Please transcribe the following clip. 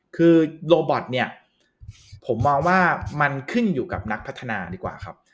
คือโรบอตเนี่ยผมมองว่ามันขึ้นอยู่กับนักพัฒนาดีกว่าครับ